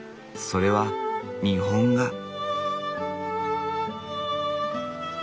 それは日本画。